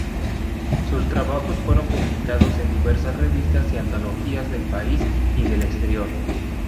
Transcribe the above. Sus trabajos fueron publicados en diversas revistas y antologías del país y del exterior.